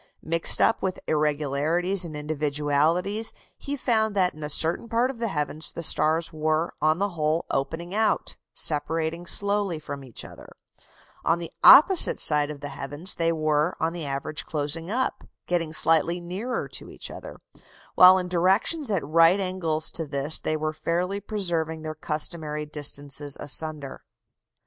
Mixed up with irregularities and individualities, he found that in a certain part of the heavens the stars were on the whole opening out separating slowly from each other; on the opposite side of the heavens they were on the average closing up getting slightly nearer to each other; while in directions at right angles to this they were fairly preserving their customary distances asunder.